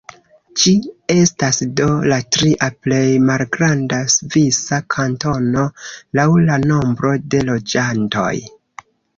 Ĝi estas do la tria plej malgranda svisa kantono laŭ la nombro de loĝantoj.